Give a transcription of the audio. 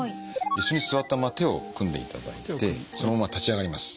椅子に座ったまま手を組んでいただいてそのまま立ち上がります。